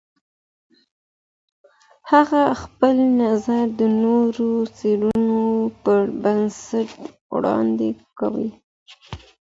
هغه خپل نظر د نوو څېړنو پر بنسټ وړاندې کوي.